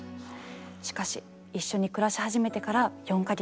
しかし一緒に暮らし始めてから４か月。